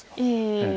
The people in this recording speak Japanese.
いえいえ。